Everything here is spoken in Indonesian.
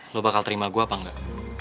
lo bakal terima gue apa enggak